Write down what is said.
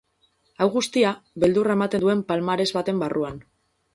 Hau guztia, beldurra ematen duen palmares baten barruan.